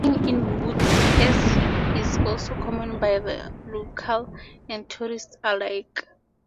Hiking in woods as is also common by the locals and tourist alike.